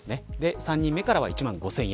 ３人目から１万５０００円。